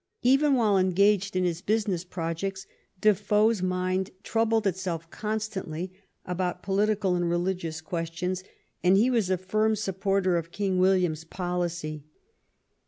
Even while engaged in his business projects Defoe's mind troubled itself constantly about political and religious questions, and he was a firm supporter of King William's policy.